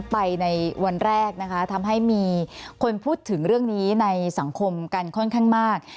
ไปในวันแรกนะคะทำให้มีคนพูดถึงเรื่องนี้ในสังคมกันค่อนข้างมาก